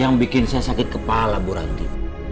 yang bikin saya sakit kepala bu ranti